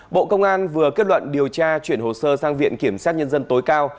bộ công an vừa kết luận điều tra chuyển hồ sơ sang viện kiểm sát nhân dân tối cao